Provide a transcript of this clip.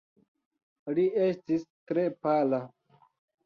Li estis tre pala.